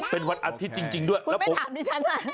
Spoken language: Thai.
เป็นวันอาทิตย์จริงด้วยและผมคุณไม่ถามดิฉัน